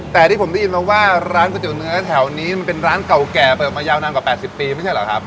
แต่ที่ผมได้ยินมาว่าร้านก๋วยเตี๋เนื้อแถวนี้มันเป็นร้านเก่าแก่เปิดมายาวนานกว่า๘๐ปีไม่ใช่เหรอครับ